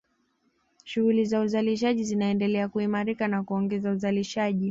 Shughuli za uzalishaji zinaendelea kuimarika na kuongeza uzalishaji